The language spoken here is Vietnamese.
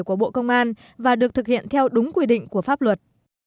của bộ công an và được thực hiện theo đúng quy định của pháp luật